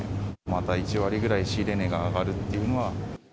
また１割ぐらい仕入れ値が上がるっていうのは。